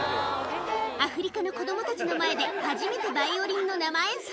アフリカの子どもたちの前で初めてバイオリンの生演奏。